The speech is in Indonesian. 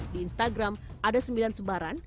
di instagram ada sembilan sebaran